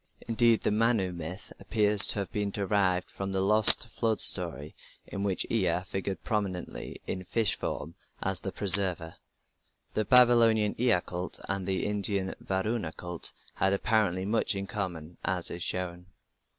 Indeed, the Manu myth appears to have been derived from the lost flood story in which Ea figured prominently in fish form as the Preserver. The Babylonian Ea cult and the Indian Varuna cult had apparently much in common, as is shown.